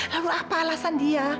lalu apa alasan dia